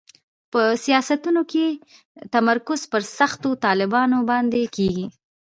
په سیاستونو کې تمرکز پر سختو طالبانو باندې کېږي.